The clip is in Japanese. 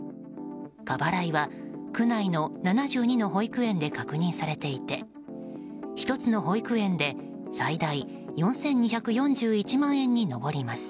過払いは、区内の７２の保育園で確認されていて１つの保育園で最大４２４１万円に上ります。